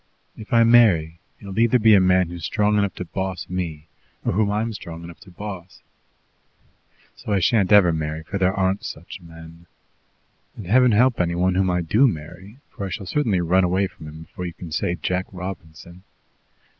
If I marry, it will either be a man who's strong enough to boss me or whom I'm strong enough to boss. So I shan't ever marry, for there aren't such men. And Heaven help any one whom I do marry, for I shall certainly run away from him before you can say 'Jack Robinson.'